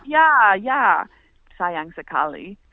ya ya sayang sekali